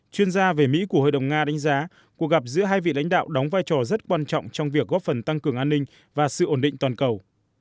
chuyên gia về mỹ của hội đồng nga đánh giá cuộc gặp giữa hai vị lãnh đạo đóng vai trò rất quan trọng trong việc góp phần tăng cường an ninh và sự ổn định toàn cầu